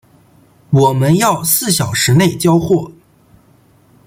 我们要四小时内交货